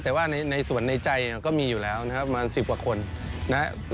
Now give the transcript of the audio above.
แต่ว่าในส่วนในใจก็มีอยู่แล้วนะครับประมาณ๑๐กว่าคนนะครับ